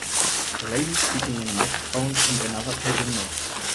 A lady speaking in a microphone and another taking notes.